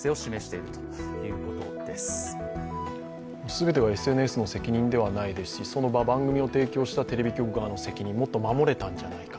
全てがＳＮＳの責任ではないですしその番組を提供したテレビ局側の責任、もっと守れたんじゃないか。